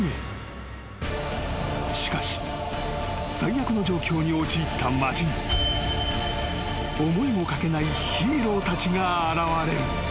［しかし最悪の状況に陥った街に思いもかけないヒーローたちが現れる］